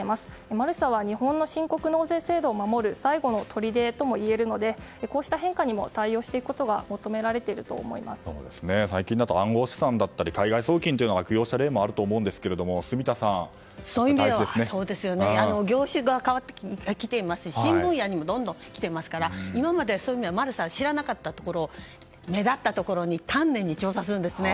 マルサは日本の申告納税制度を守る最後のとりでともいえるのでこうした変化にも対応していくことが最近だと暗号資産だったり海外送金を悪用した例もあると思うんですがそういう意味では業種が変わってきていますし新分野にもどんどんきていますから今まではマルサが知らなかったところでも目立ったところは丹念に調査するんですね。